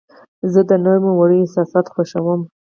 زه د نرمو وړیو احساس خوښوم.